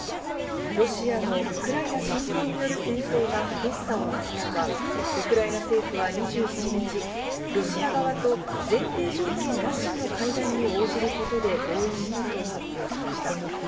ロシアのウクライナ侵攻による戦闘が激しさを増す中、ウクライナ政府は２７日、ロシア側と前提条件なしの会談に応じることで合意したと発表しました。